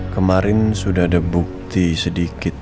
kemarin sudah ada bukti sedikit